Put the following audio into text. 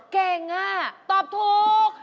เก่งอ่ะตอบถูก